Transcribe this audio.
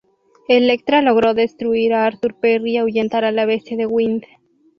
Elektra logró destruir a Arthur Perry y ahuyentar a la Bestia de Wind.